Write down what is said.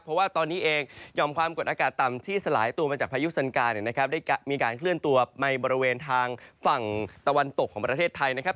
เพราะว่าตอนนี้เองหย่อมความกดอากาศต่ำที่สลายตัวมาจากพายุสันกาเนี่ยนะครับได้มีการเคลื่อนตัวในบริเวณทางฝั่งตะวันตกของประเทศไทยนะครับ